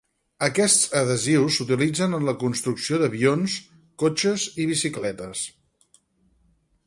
Aquests adhesius s'utilitzen en la construcció d'avions, cotxes i bicicletes.